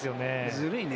ずるいね。